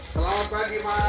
selamat pagi mas